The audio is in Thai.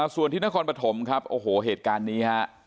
ส่วนที่นครปฐมครับโอ้โหเหตุการณ์นี้ฮะ